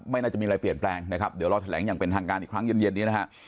น่าจะมีอะไรเปลี่ยนแปลงนะครับเดี๋ยวรอแถลงอย่างเป็นทางการอีกครั้งเย็นนี้นะฮะ